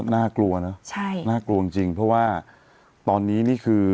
น่ากลัวเนอะใช่น่ากลัวจริงเพราะว่าตอนนี้นี่คือ